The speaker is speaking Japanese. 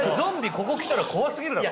ここ来たら怖すぎるだろ？